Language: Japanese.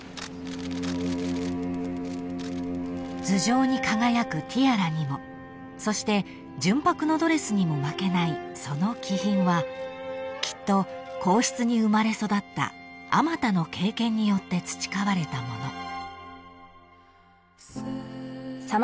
［頭上に輝くティアラにもそして純白のドレスにも負けないその気品はきっと皇室に生まれ育ったあまたの経験によって培われたもの］